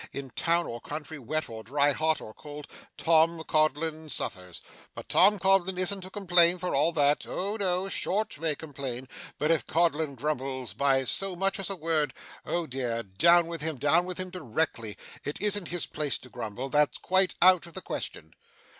In town or country, wet or dry, hot or cold, Tom Codlin suffers. But Tom Codlin isn't to complain for all that. Oh, no! Short may complain, but if Codlin grumbles by so much as a word oh dear, down with him, down with him directly. It isn't his place to grumble. That's quite out of the question.